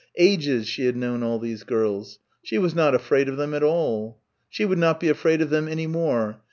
"Ages" she had known all these girls. She was not afraid of them at all. She would not be afraid of them any more.